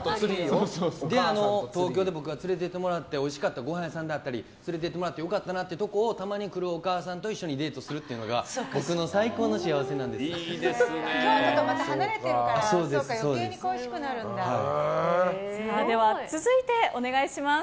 で、東京で僕が連れて行ってもらっておいしかったごはん屋さんだったり連れてもらって良かったなっていうところをたまに来るお母さんと一緒にデートをするっていうのがまた京都と離れてるからでは続いて、お願いします。